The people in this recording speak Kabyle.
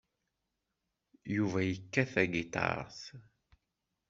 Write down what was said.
Yuba yekkat tagiṭart.